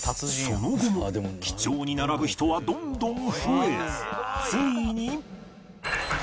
その後も記帳に並ぶ人はどんどん増えついに